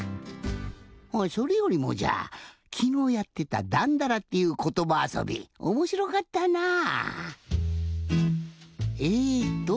それよりもじゃきのうやってた「だんだら」っていうことばあそびおもしろかったなぁ。